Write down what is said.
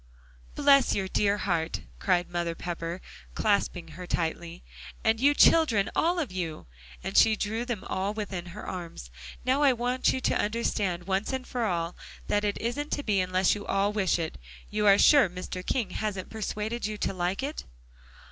"Bless your dear heart!" cried Mother Pepper, clasping her tightly, "and you children, all of you," and she drew them all within her arms. "Now I want you to understand, once for all, that it isn't to be unless you all wish it. You are sure Mr. King hasn't persuaded you to like it?"